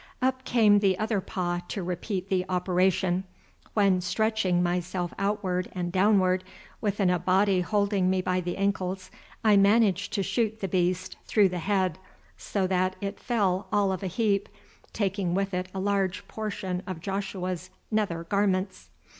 Up came the other paw to repeat the operation, when, stretching myself outward and downward, with an Abati holding me by the ankles, I managed to shoot the beast through the head so that it fell all of a heap, taking with it a large portion of Joshua's nether garments.